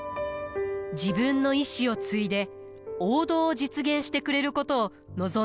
自分の意志を継いで王道を実現してくれることを望んでいたのです。